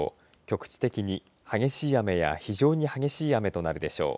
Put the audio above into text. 局地的に激しい雨や非常に激しい雨となるでしょう。